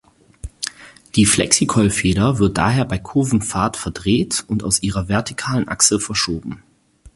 Die Flexicoil-Feder wird daher bei Kurvenfahrt verdreht und aus ihrer vertikalen Achse verschoben.